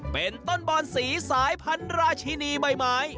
เป็นต้นบอนสีสายพันธุ์ราชินีใบไม้